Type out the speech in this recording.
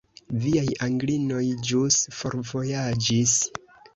Viaj Anglinoj ĵus forvojaĝis.